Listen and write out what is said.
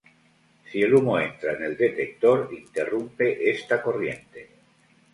Si el humo entra en el detector, interrumpe esta corriente.